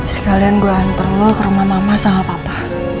sekalian gue anterin lu ke rumah mama sama papa